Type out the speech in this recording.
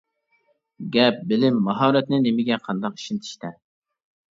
گەپ بىلىم، ماھارەتنى نېمىگە قانداق ئىشلىتىشتە.